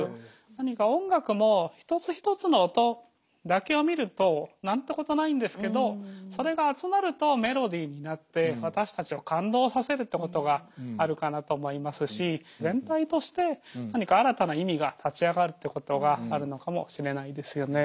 何か音楽も一つ一つの音だけを見ると何てことないんですけどそれが集まるとメロディーになって私たちを感動させるってことがあるかなと思いますしってことがあるのかもしれないですよね。